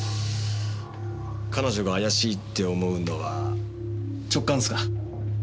彼女が怪しいって思うのは直感っすか？